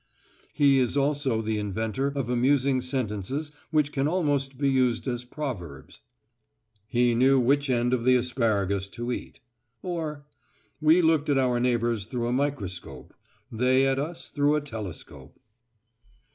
He is also the inventor of amusing sentences which can almost be used as proverbs: He knew which end of the asparagus to eat. Or, We looked at our neighbours through a microscope; they at us through a telescope.